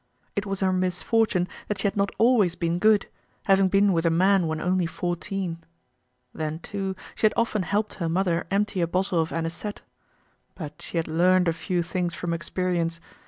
It was her misfortune that she had not always been good, having been with a man when only fourteen. Then too, she had often helped her mother empty a bottle of anisette. But she had learned a few things from experience.